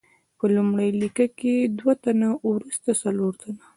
په لومړۍ لیکه کې دوه تنه، وروسته څلور تنه.